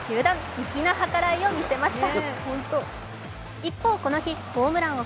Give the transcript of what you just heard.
粋な計らいを見せました。